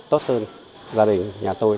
tốt hơn gia đình nhà tôi